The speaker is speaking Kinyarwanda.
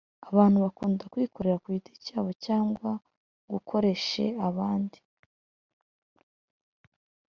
Abantu bakunda kwikorera ku giti cyabo cyangwa gukoreshe abandi